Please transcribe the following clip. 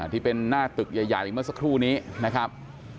ที่เป็นหน้าตึกใหญ่เมื่อสักครู่นี้นะครับ